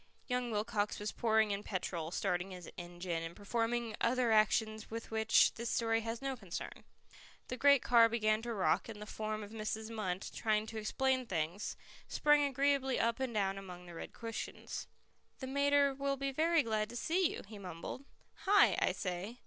Young Wilcox was pouring in petrol, starting his engine, and performing other actions with which this story has no concern. The great car began to rock, and the form of Mrs. Munt, trying to explain things, sprang agreeably up and down among the red cushions. "The mater will be very glad to see you," he mumbled. "Hi! I say.